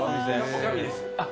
女将です